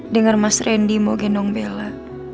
dengan mas randy mau gendong bella